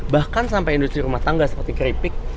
bahkan sampai industri rumah tangga seperti keripik